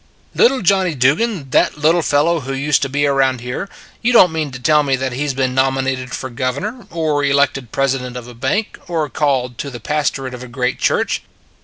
" Little Johnny Dugan that little fel low who used to be around here you don t mean to tell me that he has been nominated for Governor; or elected President of a Bank or called to the Pastorate of a great church.